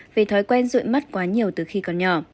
vì thói quen ruộn mắt quá nhiều từ khi còn nhỏ